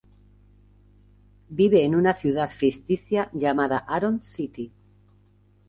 Vive en una ciudad ficticia llamada Aron City.